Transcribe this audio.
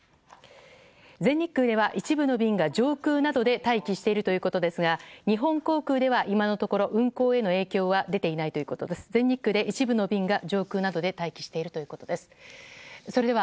全日空では一部の便が上空などで待機しているということですが日本航空では今のところ運航への影響は出ていないということです。